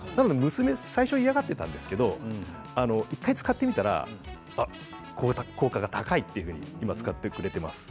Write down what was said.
娘は最初嫌がっていたんですけど１回使ってみたら効果が高いと今使ってくれています。